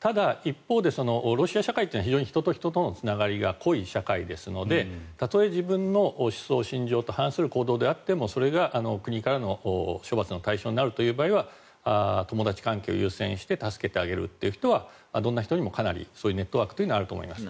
ただ、一方でロシア社会というのは人と人とのつながりが濃い社会ですのでたとえ自分の思想、信条と反する行動であってもそれが国からの処罰の対象になるという場合は友達関係を優先して助けてあげるという人はどんな人にもそういうネットワークはあると思います。